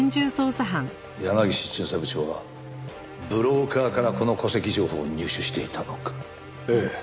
山岸巡査部長はブローカーからこの戸籍情報を入手していたのか。ええ。